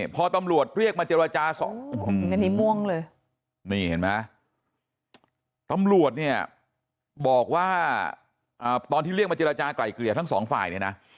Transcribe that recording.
พอตำรวจเรียกมาเจรจากลายเกลียวทั้งสองฝ่ายเนี่ยนะ